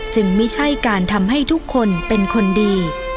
ไม่ใช่การทำให้ทุกคนเป็นคนดี